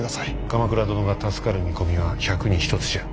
鎌倉殿が助かる見込みは百に一つじゃ。